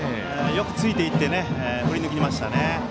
よくついていって振り抜きましたね。